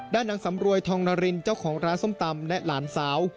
นางสำรวยทองนารินเจ้าของร้านส้มตำและหลานสาว